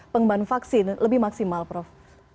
pengembangan vaksin lebih maksimal prof